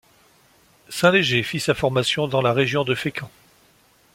Saint Léger fit sa formation dans la région de Fécamp.